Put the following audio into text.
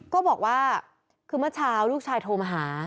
ก็บอกว่าคือเมื่อเช้าลูกชายโทรมาหา